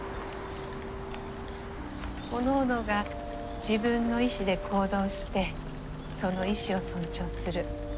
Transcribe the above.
おのおのが自分の意志で行動してその意志を尊重する。